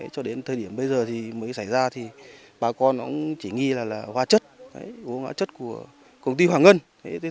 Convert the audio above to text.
cho đến thời điểm bây giờ thì mới xảy ra thì bà con cũng chỉ nghi là hoa chất uống hóa chất của công ty hoàng ngân